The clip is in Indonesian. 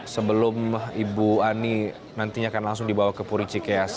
sebelum ibu ani nantinya akan langsung dibawa ke puricikeas